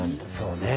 そうね。